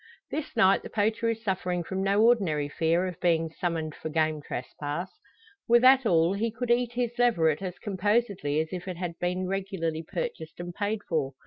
This night the poacher is suffering from no ordinary fear of being summoned for game trespass. Were that all, he could eat his leveret as composedly as if it had been regularly purchased and paid for.